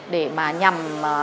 để mà nhằm